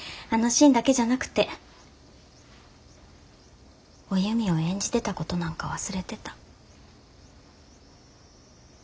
あのシーンだけじゃなくておゆみを演じてたことなんか忘れてた。